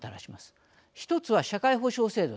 １つは社会保障制度です。